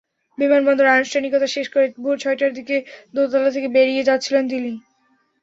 বিমানবন্দরের আনুষ্ঠানিকতা শেষ করে ভোর ছয়টার দিকে দোতলা থেকে বেরিয়ে যাচ্ছিলেন তিনি।